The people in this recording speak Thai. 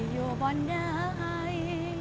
อยู่บนใด